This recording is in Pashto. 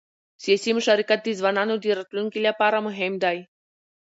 سیاسي مشارکت د ځوانانو د راتلونکي لپاره مهم دی